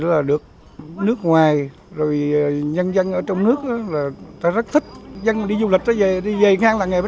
lúc trước thì em làm